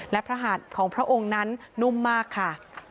และพระหัสของพระองค์นั้นนุ่มมากค่ะ